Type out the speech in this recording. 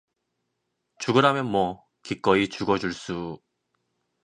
죽으라면 뭐, 기꺼이 죽어 줄 수...